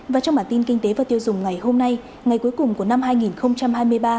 và trong bản tin kinh tế và tiêu dùng ngày hôm nay ngày cuối cùng của năm hai nghìn hai mươi ba